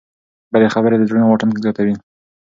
بدې خبرې د زړونو واټن زیاتوي.